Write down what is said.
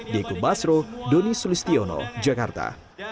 diego basro doni sulistiono jakarta